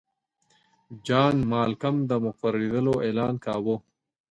جان مالکم د مقررېدلو اعلان کاوه.